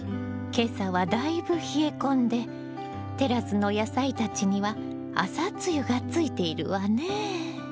今朝はだいぶ冷え込んでテラスの野菜たちには朝露がついているわねえ。